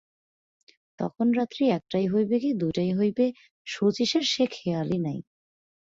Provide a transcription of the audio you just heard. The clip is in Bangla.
তখন রাত্রি একটাই হইবে কি দুটাই হইবে শচীশের সে খেয়ালই নাই।